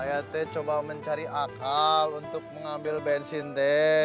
ya teh coba mencari akal untuk mengambil bensin teh